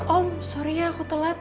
om sorry ya aku telat